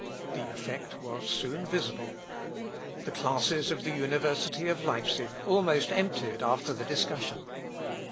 The effect was soon visible. The classes of the university of Leipsic almost emptied after the discussion.